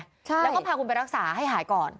ใช่แล้วก็พาคุณไปรักษาให้หายก่อน